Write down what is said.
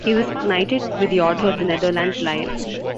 He was Knighted with the Order of the Netherlands Lion.